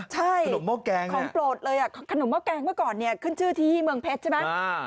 ขนมโม้แกงของโปรดเลยขนมโม้แกงเมื่อก่อนขึ้นชื่อที่เมืองเพชรใช่ไหม